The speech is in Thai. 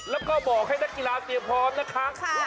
แล้วก็บอกให้นักกีฬาเตรียมพร้อมนะคะ